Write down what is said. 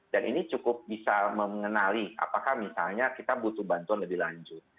dan ini cukup bisa mengenali apakah misalnya kita butuh bantuan lebih lanjut